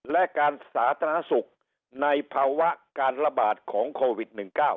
และการสาธารณสุขในภาวะการระบาดของโควิด๑๙